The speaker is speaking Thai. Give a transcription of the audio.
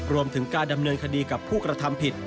รวมถึงการดำเนินคดีกับผู้กระทำผิด